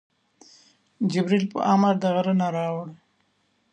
جبریل په امر د غره نه راوړ.